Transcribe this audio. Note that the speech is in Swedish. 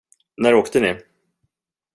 När åkte ni?